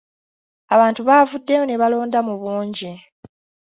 Abantu baavuddeyo ne balonda mu bungi.